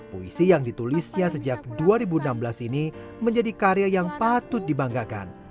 puisi yang ditulisnya sejak dua ribu enam belas ini menjadi karya yang patut dibanggakan